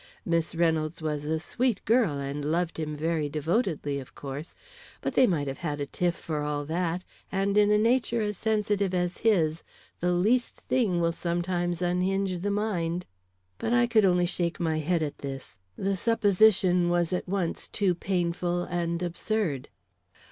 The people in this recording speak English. "Miss Reynolds was a sweet girl and loved him very devotedly, of course; but they might have had a tiff for all that, and in a nature as sensitive as his, the least thing will sometimes unhinge the mind." But I could only shake my head at this; the supposition was at once too painful and absurd.